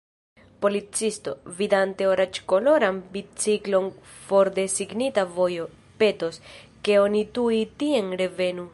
Policisto, vidante oranĝkoloran biciklon for de signita vojo, petos, ke oni tuj tien revenu.